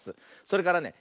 それからね